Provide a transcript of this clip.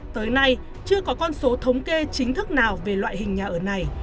tới nay chưa có con số thống kê chính thức nào về loại hình nhà ở này